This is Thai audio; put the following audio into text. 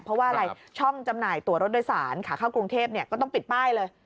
เพราะว่าอะไรช่องจำหน่ายตัวรถโดยสารขาเข้ากรุงเทพก็ต้องปิดป้ายเลย